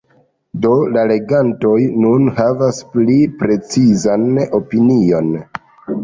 Do la legantoj nun havas pli precizan opinion.